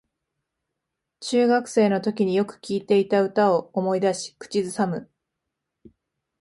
中学生のときによく聴いていた歌を思い出し口ずさむ